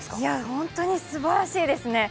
ホントにすばらしいですね。